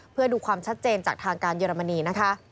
เพื่อดูความชัดเจนจากทางการเยอรมนีนะคะ